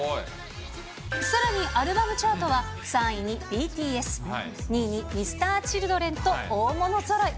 さらにアルバムチャートは、３位にＢＴＳ、２位にＭｒ．Ｃｈｉｌｄｒｅｎと、大物ぞろい。